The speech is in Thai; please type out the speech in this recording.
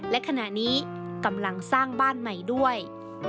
และขณะนี้กำลังสร้างบ้านใหม่ด้วย